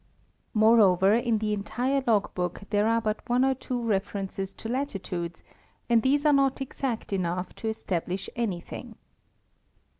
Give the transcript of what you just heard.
* Moreover, in the entire log book there are but one or two references to latitudes, and these are not exact enough to establish anything.